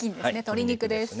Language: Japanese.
鶏肉です。